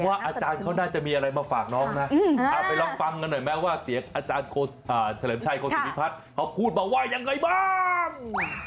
อาจารย์เขาน่าจะมีอะไรมาฝากน้องนะไปลองฟังกันหน่อยไหมว่าเสียงอาจารย์เฉลิมชัยโศนิพัฒน์เขาพูดมาว่ายังไงบ้าง